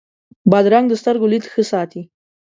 بادرنګ د سترګو لید ښه ساتي.